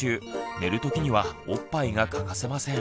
寝るときにはおっぱいが欠かせません。